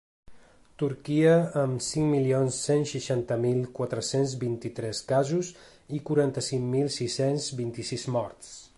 Turquia, amb cinc milions cent seixanta mil quatre-cents vint-i-tres casos i quaranta-cinc mil sis-cents vint-i-sis morts.